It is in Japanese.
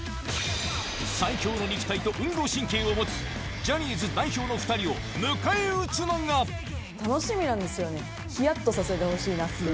最強の肉体と運動神経を持つジャニーズ代表の２人を迎え撃つ楽しみなんですよね、ひやっとさせてほしいなっていう。